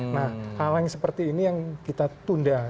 nah hal yang seperti ini yang kita tunda